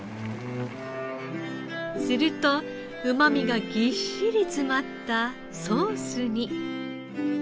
するとうまみがぎっしり詰まったソースに。